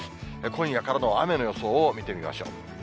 今夜からの雨の予想を見てみましょう。